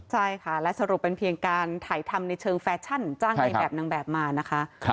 ใช่ค่ะและสรุปเป็นเพียงการถ่ายทำในเชิงแฟชั่นจ้างในแบบนางแบบมานะคะ